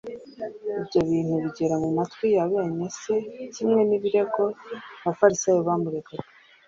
Ibyo bintu bigera mu matwi ya bene se kimwe n'ibirego abafarisayo bamuregaga,